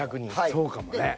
そうかもね。